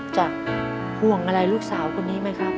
ห่วงอะไรลูกสาวคนนี้ไหมครับ